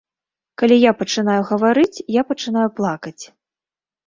Калі я пачынаю гаварыць, я пачынаю плакаць.